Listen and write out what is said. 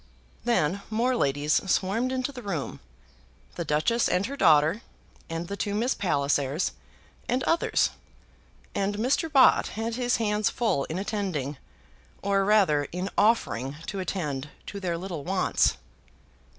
Then more ladies swarmed into the room, the Duchess and her daughter, and the two Miss Pallisers, and others; and Mr. Bott had his hands full in attending, or rather in offering to attend, to their little wants.